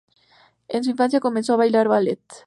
En su infancia comenzó a bailar ballet.